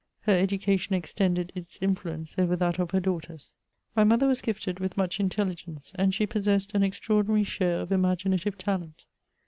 Her education extended its influence over that of her daughters. My mother was gifted with much intell%ence, and she possessed an extraordinary share of imaginative talent.